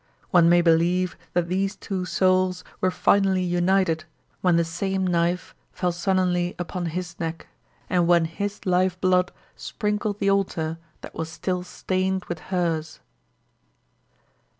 One may believe that these two souls were finally united when the same knife fell sullenly upon his neck and when his life blood sprinkled the altar that was still stained with hers.